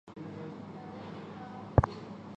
贝蒂欧岛是椰子核和珍珠的主要出口港。